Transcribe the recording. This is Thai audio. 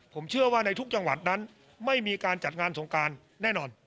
ผมเชื่อว่าในทุกจังหวัดนั้นไม่มีการจัดงานสงการแน่นอน